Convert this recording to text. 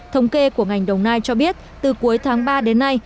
thống kê của ngành đồng nai cho biết từ cuối tháng ba đến nay